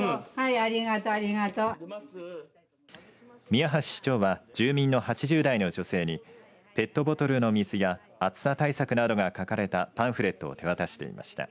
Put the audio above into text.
宮橋市長は住民の８０代の女性にペットボトルの水や暑さ対策などが書かれたパンフレットを手渡していました。